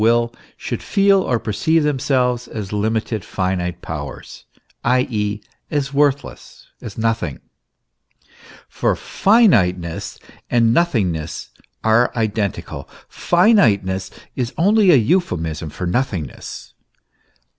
will should feel or perceive themselves as limited, finite powers, i. e., as worthless, as nothing. For finiteness and nothingness are identical; finiteness is only a euphemism for nothingness.